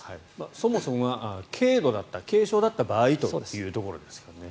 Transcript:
そもそもが軽度だった軽傷だった場合というところですよね。